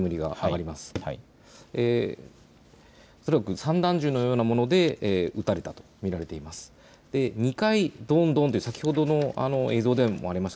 おそらく散弾銃のようなもので撃たれたと見られています。